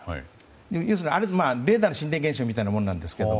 要するにレーダーの心霊現象みたいなものなんですけど。